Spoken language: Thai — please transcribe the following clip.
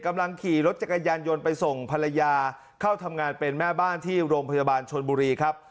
กำลังขี่รถจักรยานยนต์ไปส่งภรรยาเข้าทำงานเป็นแม่บ้านที่โรงพยาบาลชนบุรีครับ